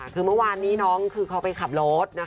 คือเมื่อวานนี้น้องคือเขาไปขับรถ